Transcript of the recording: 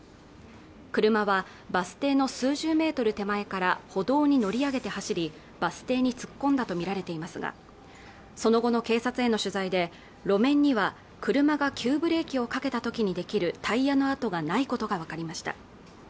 車はバス停の数十メートル手前から歩道に乗り上げて走りバス停に突っ込んだとみられていますがその後の警察への取材で路面には車が急ブレーキをかけた時に出来るタイヤの跡がないことが分かりました